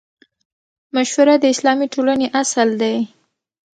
مشوره د اسلامي ټولنې اصل دی.